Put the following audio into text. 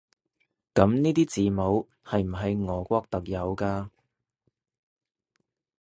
噉呢啲字母係唔係俄國特有㗎？